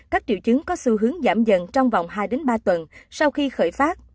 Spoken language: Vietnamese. các triệu chứng có xu hướng giảm dần trong vòng hai ba tuần sau khi khởi phát